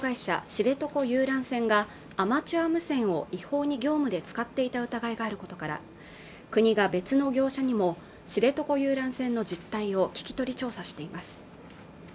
知床遊覧船がアマチュア無線を違法に業務で使っていた疑いがあることから国が別の業者にも知床遊覧船の実態を聞き取り調査しています